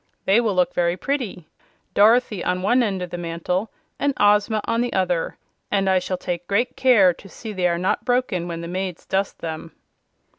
They will look very pretty Dorothy on one end of the mantle and Ozma on the other and I shall take great care to see they are not broken when the maids dust them."